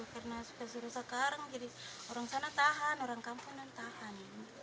karena sudah sekarang jadi orang sana tahan orang kampungan tahan